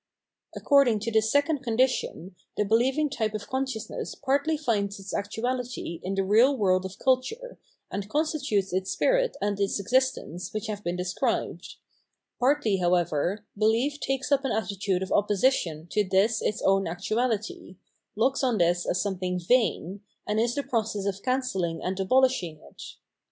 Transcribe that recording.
According to this second condition, the beheving type of consciousness partly finds its actuahty in the real world of culture, and constitutes its spirit and its existence, which have been described ; partly, how ever, behef takes up an attitude of opposition to this its own actuahty, looks on this as something vain, and is the process of cancelling and abolishing it.